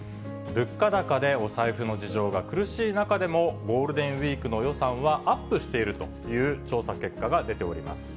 物価高でお財布の事情が苦しい中でも、ゴールデンウィークの予算はアップしているという調査結果が出ております。